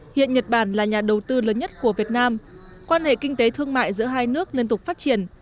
hiện nhật bản là nhà đầu tư lớn nhất của việt nam quan hệ kinh tế thương mại giữa hai nước liên tục phát triển